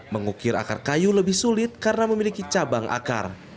mengukir akar kayu lebih sulit karena memiliki cabang akar